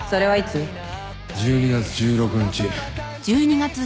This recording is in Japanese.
１２月１６日